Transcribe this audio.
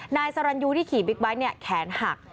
นายสรรยูที่ขี่บิ๊กไบท์แขนหัก